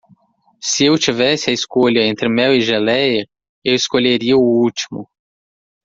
Se eu tivesse a escolha entre mel e geléia? eu escolheria o último.